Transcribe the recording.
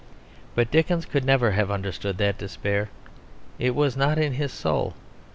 But Dickens could never have understood that despair; it was not in his soul.